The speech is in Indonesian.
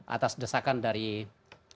atas desakan dari pks